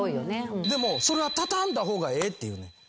でもそれは畳んだ方がええって言うねん。